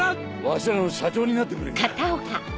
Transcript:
わしらの社長になってくれんか？